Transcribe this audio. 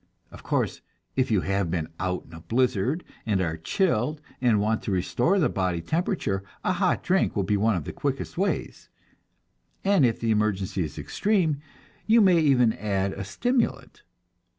Of course, if you have been out in a blizzard, and are chilled, and want to restore the body temperature, a hot drink will be one of the quickest ways, and if the emergency is extreme, you may even add a stimulant.